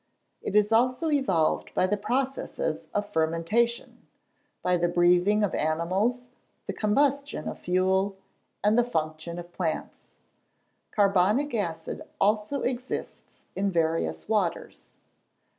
It is also evolved by the processes of fermentation, by the breathing of animals, the combustion of fuel, and the functions of plants. Carbonic acid also exists in various waters.